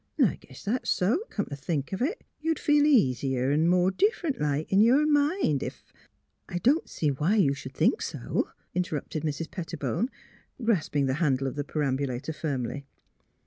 'N' I guess that's so, come t' think of it. ... You'd feel easier, 'n' more in differ'nt like in your mind, ef "" I don't see why you should think so," inter rupted Mrs. Pettibone, grasping the handle of the perambulator firmly.